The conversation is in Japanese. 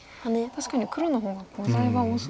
確かに黒の方がコウ材は多そうですね。